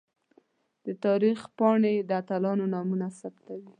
د تاریخ پاڼې د اتلانو نومونه ثبتوي.